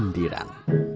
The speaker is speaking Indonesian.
alangan buat diri jaman